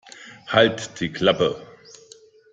Halt die Klappe!